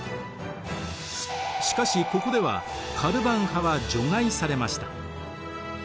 しかしここではカルヴァン派は除外されました。